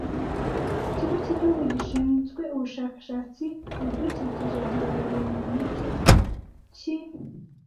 Ikigo cy’igihugu gishinzwe ubushakashatsi ku bidukikije giherereye mu mujyi ki